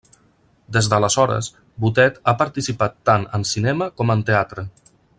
Des d'aleshores, Botet ha participat tant en cinema com en teatre.